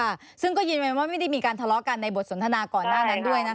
ค่ะซึ่งก็ยืนยันว่าไม่ได้มีการทะเลาะกันในบทสนทนาก่อนหน้านั้นด้วยนะคะ